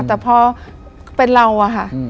แต่พอเป็นเราอะค่ะ